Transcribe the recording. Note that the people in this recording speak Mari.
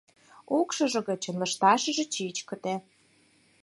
Укшыжо гычын лышташыже чӱчкыдӧ.